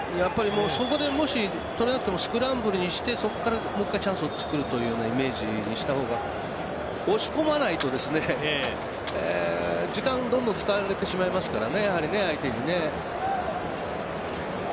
そこで、もし取れなくてもスクランブルにしてもう１回チャンスをつくるイメージにした方が押し込まないようにした方が時間を使われてしまいますからね相手にね。